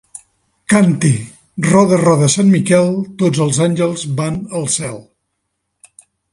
Cante: 'Roda, roda sant Miquel, tots els àngels van al cel.'